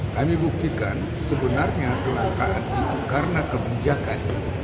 kami buktikan sebenarnya kelangkaan itu karena kebijakan